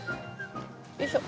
よいしょ。